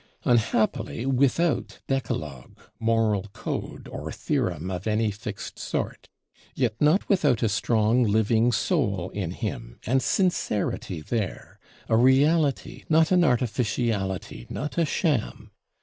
Unhappily without Decalogue, moral Code or Theorem of any fixed sort; yet not without a strong living Soul in him, and Sincerity there; a Reality, not an artificiality, not a Sham!